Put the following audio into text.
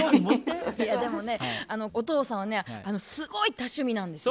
でもねお父さんはねすごい多趣味なんですよ。